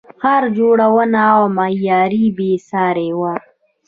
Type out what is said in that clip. ښار جوړونه او معمارۍ بې ساري وه